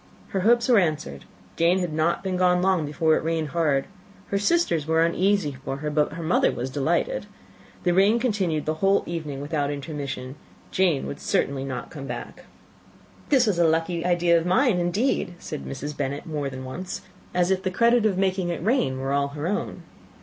Her hopes were answered; Jane had not been gone long before it rained hard. Her sisters were uneasy for her, but her mother was delighted. The rain continued the whole evening without intermission; Jane certainly could not come back. "This was a lucky idea of mine, indeed!" said Mrs. Bennet, more than once, as if the credit of making it rain were all her own.